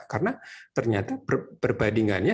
karena ternyata berbandingannya